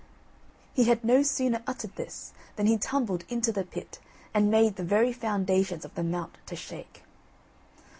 He had no sooner uttered this, than he tumbled into the pit, and made the very foundations of the Mount to shake.